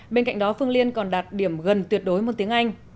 bên cạnh đó phương liên còn đạt điểm gần tuyệt đối môn tiếng anh